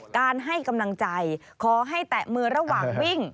การให้กำลังใจขอให้แตะมือระหว่างวิ่ง